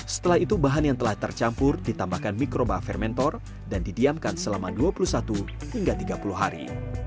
setelah itu bahan yang telah tercampur ditambahkan mikroba fermentor dan didiamkan selama dua puluh satu hingga tiga puluh hari